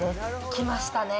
きましたね。